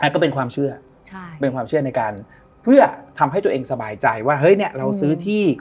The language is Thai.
ก็เป็นความเชื่อเป็นความเชื่อในการเพื่อทำให้ตัวเองสบายใจว่าเฮ้ยเนี่ยเราซื้อที่